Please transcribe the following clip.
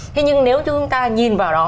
thế nhưng nếu chúng ta nhìn vào đó